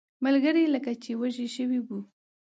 ملګري لکه چې وږي شوي وو.